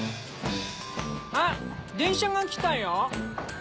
あっ電車が来たよ。